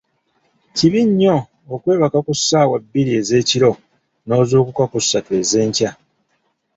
Kibi nnyo okweebaka ku ssaawa bbiri ez'ekiro n'ozuukuka ku ssatu ez'enkya.